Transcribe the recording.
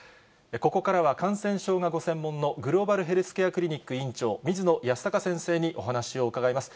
ここからは、感染症がご専門のグローバルヘルスケアクリニック院長、水野泰孝先生にお話を伺います。